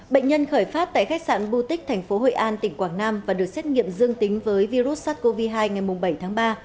bệnh nhân khởi phát tại khách sạn bô tích tp hội an tỉnh quảng nam và được xét nghiệm dương tính với virus sars cov hai ngày bảy tháng ba